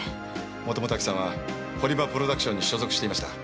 もともと亜紀さんは堀場プロダクションに所属していました。